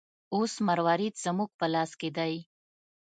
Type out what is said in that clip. اوس مروارید زموږ په لاس کې دی.